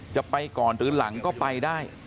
จะไปก่อนก็ถือหลังได้